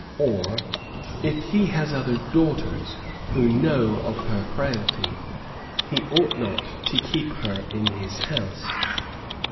Or, if he has other daughters who know of her frailty, he ought not to keep her in his house.